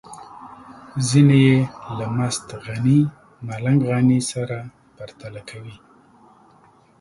ځينې يې له مست غني ملنګ غني سره پرتله کوي.